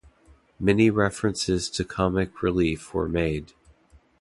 Many references to Comic Relief were made.